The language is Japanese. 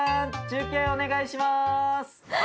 中継お願いします。